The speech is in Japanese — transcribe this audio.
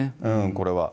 これは。